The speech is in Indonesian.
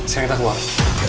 saya ngita keluar